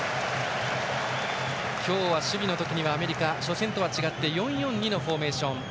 今日は守備の時、アメリカ初戦とは違い４−４−２のフォーメーション。